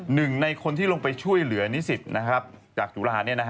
หนึ่งในคนที่ลงไปช่วยเหลือนิสิตจากจุฬา